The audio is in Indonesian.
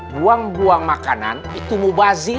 buang buang makanan itu mubazi